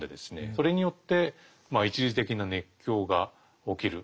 それによって一時的な熱狂が起きる。